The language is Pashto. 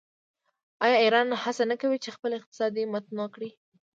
آیا ایران هڅه نه کوي چې خپل اقتصاد متنوع کړي؟